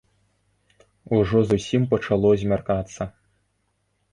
Ужо зусім пачало змяркацца.